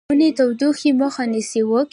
ونې د تودوخې مخه نیسي.